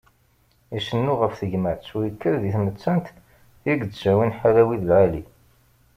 Icennu γef tegmat u yekkat di tmettan i yettawin ḥala wid lεali.